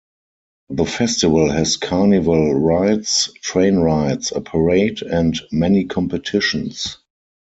The festival has carnival rides, train rides, a parade, and many competitions.